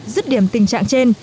rứt điểm tình trạng trên